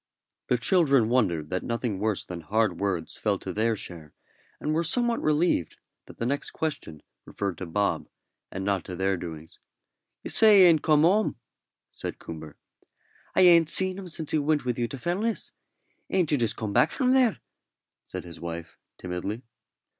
The children wondered that nothing worse than hard words fell to their share, and were somewhat relieved that the next question referred to Bob, and not to their doings. "You say he ain't come home?" said Coomber. "I ain't seen him since he went with you to Fellness. Ain't you just come from there?" said his wife, timidly.